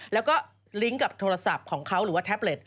แล้วก็ลิงก์กับโทรศัพท์ของเขาหรือว่าแท็บเล็ต